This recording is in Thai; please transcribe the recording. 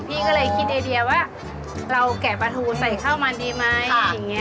พี่ก็เลยคิดเอเดียวว่าเราแกะปลาถูใส่ข้าวมันดีไหม